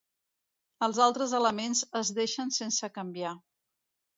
Els altres elements es deixen sense canviar.